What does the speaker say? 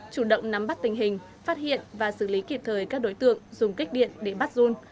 chủ động nắm bắt tình hình phát hiện và xử lý kịp thời các đối tượng dùng kích điện để bắt run